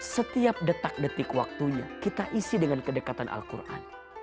setiap detak detik waktunya kita isi dengan kedekatan al quran